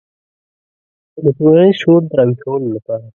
د ټولنیز شعور د راویښولو لپاره.